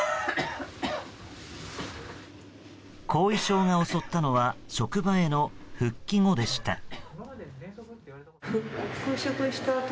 後遺症が襲ったのは職場への復帰後でした。